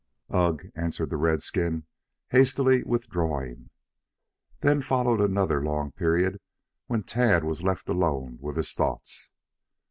"Ugh," answered the redskin, hastily withdrawing. Then followed another long period when Tad was left alone with his thoughts.